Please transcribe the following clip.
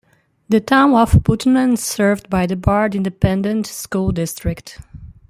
The town of Putnam is served by the Baird Independent School District.